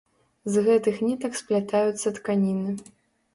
З гэтых нітак сплятаюцца тканіны.